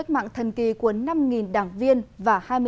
chúng tôi toàn thể dân việt nam